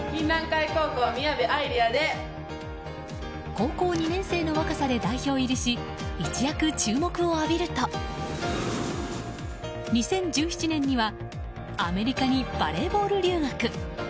高校２年生の若さで代表入りし一躍、注目を浴びると２０１７年にはアメリカにバレーボール留学。